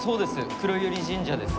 黒百合神社です。